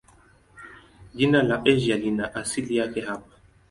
Jina la Asia lina asili yake hapa.